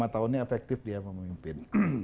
lima tahun ini efektif dia memimpin